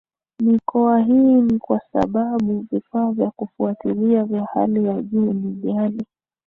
mikoa Hii ni kwa sababu vifaa vya kufuatilia vya hali ya juu ni ghali